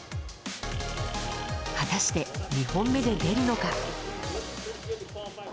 果たして２本目で出るのか。